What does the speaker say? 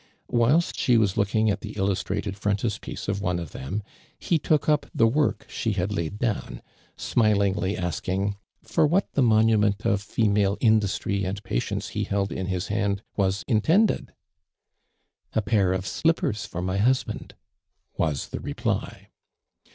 Whil t she was looking at the illus trated frontispiece of one of them, he took up the work she had laid down, smilingly asking " for what the monument of female industry and patience he held in his hand was intended." " A pair of slippers for my husband," was the reply.